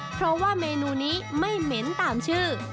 เพราะว่าเมนูนี้ไม่เหม็นตามชื่อ